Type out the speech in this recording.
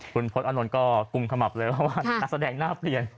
คุณพลต์อนนท์ก็กุ้งขมับเลยว่าตัดแสดงน่าเปลี่ยน